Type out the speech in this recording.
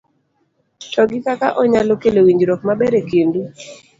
to gi kaka onyalo kelo winjruok maber e kind u